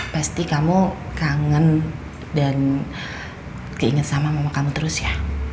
pasti kamu kangen dan keinget sama mama kamu terus ya